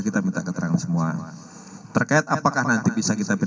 kemudian juga ibu kandungnya kemudian juga ibu kandungnya kemudian juga ibu kandungnya kemudian